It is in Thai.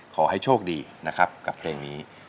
ขอให้โชคดีนะครับกับเพลงนี้